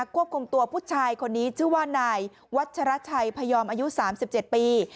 ควบคุมตัวผู้ชายคนนี้ชื่อว่านายวัชราชัยพยอมอายุ๓๗ปี